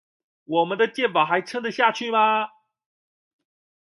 我們的健保還撐得下去嗎